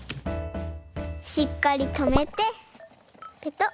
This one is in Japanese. しっかりとめてペトッ。